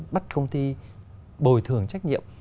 bắt công ty bồi thường trách nhiệm